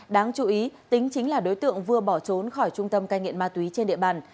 đáng chú ý tính chính là đối tượng vừa bỏ trốn khỏi trung tâm cai nghiện ma túy trên địa bàn